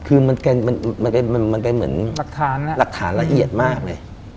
คือมันเป็นเหมือนหลักฐานละเอียดมากเลย